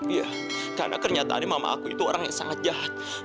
iya karena kenyataannya mama aku itu orang yang sangat jahat